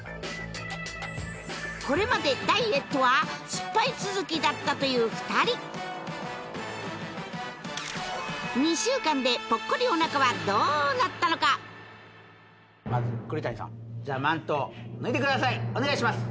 これまでダイエットは失敗続きだったという２人２週間でポッコリお腹はどうなったのかまず栗谷さんじゃあマントを脱いでくださいお願いします